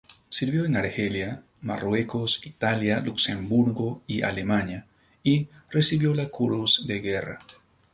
Sirvió en Argelia, Marruecos, Italia, Luxemburgo y Alemania, y recibió la Cruz de Guerra.